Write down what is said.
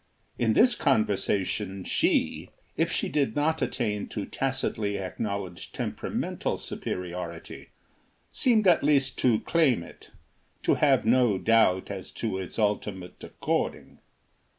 In this conversation she, if she did not attain to tacitly acknowledged temperamental superiority, seemed at least to claim it, to have no doubt as to its ultimate according.